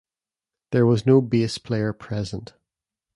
There was no bass player present.